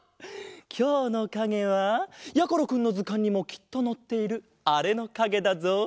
きょうのかげはやころくんのずかんにもきっとのっているあれのかげだぞ。